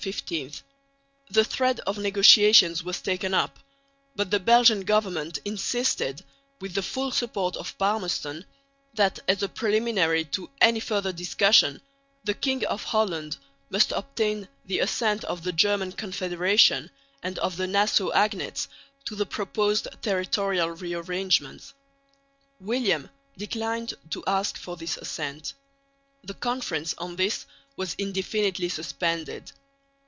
The thread of the negotiations was taken up; but the Belgian government insisted, with the full support of Palmerston, that as a preliminary to any further discussion the King of Holland must obtain the assent of the German Confederation and of the Nassau agnates to the proposed territorial rearrangements. William declined to ask for this assent. The Conference on this was indefinitely suspended.